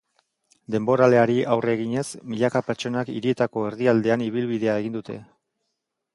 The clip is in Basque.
Denboraleari aurre eginez, milaka pertsonak hirietako erdialdean ibilbidea egin dute.